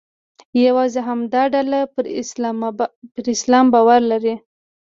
یوازې همدا ډله پر اسلام باور لري.